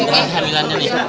mengganggu kehamilannya nih